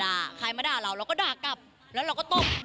ใครมาด่าเราเราก็ด่ากลับแล้วเราก็ตบ